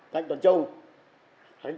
cạnh toàn châu